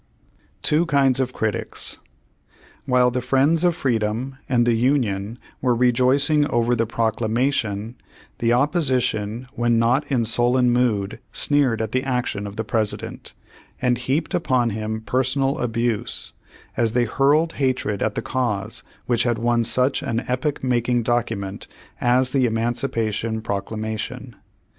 TWO KINDS OF CRITICS While the friends of Freedom and the Union were rejoicing over the Proclamation, the opposi tion when not in sullen mood sneered at the action of the President, and heaped upon him personal abuse, as they hurled hatred at the cause which had won such an epoch making document as the Emancipation Proclamation.